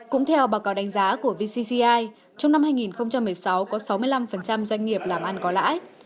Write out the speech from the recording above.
cũng theo báo cáo đánh giá của vcci trong năm hai nghìn một mươi sáu có sáu mươi năm doanh nghiệp làm ăn có lãi